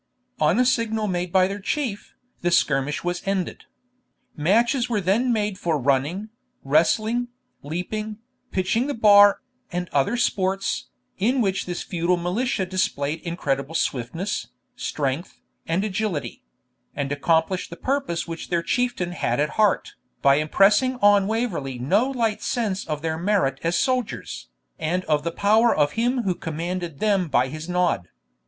On a signal made by the Chief, the skirmish was ended. Matches were then made for running, wrestling, leaping, pitching the bar, and other sports, in which this feudal militia displayed incredible swiftness, strength, and agility; and accomplished the purpose which their Chieftain had at heart, by impressing on Waverley no light sense of their merit as soldiers, and of the power of him who commanded them by his nod.